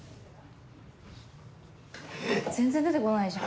全然出てこないじゃん。